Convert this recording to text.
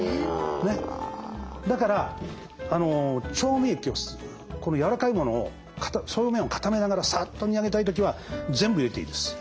だから調味液をやわらかいものを表面を固めながらさっと煮上げたい時は全部入れていいです